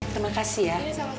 terima kasih ya